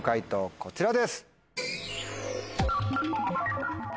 こちらです。